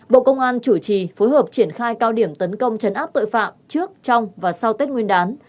bộ công an chủ trì phối hợp triển khai cao điểm tấn công chấn áp tội phạm trước trong và sau tết nguyên đán